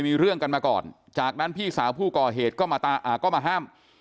มีเรื่องกันมาก่อนจากนั้นพี่สาวผู้ก่อเหตุก็มาห้าม